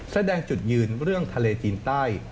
แสดงจุดยืนเรื่องทะเลจีนใต้